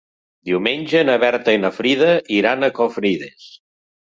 Diumenge na Berta i na Frida iran a Confrides.